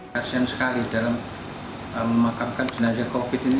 kasian sekali dalam memakamkan jenazah covid sembilan belas ini